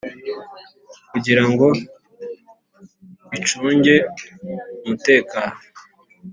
kugira ngo icunge umutekano.